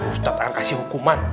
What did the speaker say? ustazah akan kasih hukuman